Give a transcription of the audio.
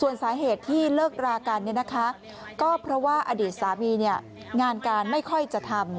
ส่วนสาเหตุที่เลิกรากันก็เพราะว่าอดีตสามีงานการไม่ค่อยจะทำ